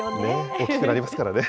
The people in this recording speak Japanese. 大きくなりますからね。